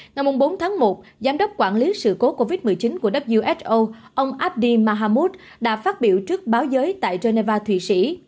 ngày bốn tháng một giám đốc quản lý sự cố covid một mươi chín của who ông abddi mahamud đã phát biểu trước báo giới tại geneva thụy sĩ